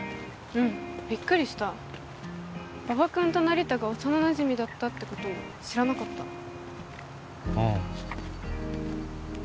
うんびっくりした馬場君と成田が幼なじみだったってことも知らなかったうん